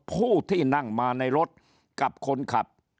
ผู้ที่นั่งมาในรถกับคนขับ